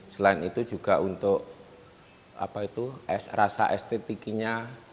selain itu juga untuk rasa estetikinya